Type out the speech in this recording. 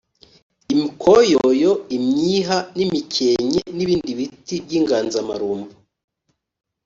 imikoyoyo, imyiha n’imikenke n’ibindi biti by’inganzamarumbo.